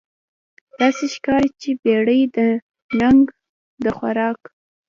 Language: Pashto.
داسې ښکاري چې بیړۍ د نهنګ د خوراک